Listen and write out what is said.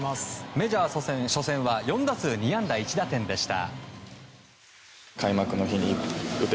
メジャー初戦は４打数２安打１打点でした。